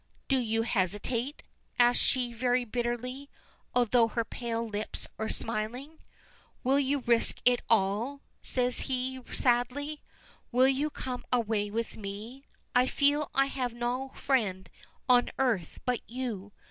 "Do you hesitate?" asks she very bitterly, although her pale lips are smiling. "Will you risk it all?" says he, sadly. "Will you come away with me? I feel I have no friend on earth but you.